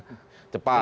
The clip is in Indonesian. dengan begitu cepatnya